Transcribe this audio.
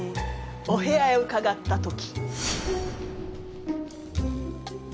お部屋へ伺った時。